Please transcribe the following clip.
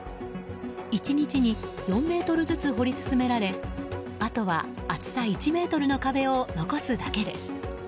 １日に４ｍずつ掘り進められあとは厚さ１ｍの壁を残すだけです。